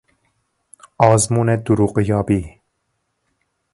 آزمون دروغیابی